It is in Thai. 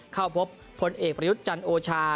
เข้าพบพลเอกประยุทธ์จันทร์โอชา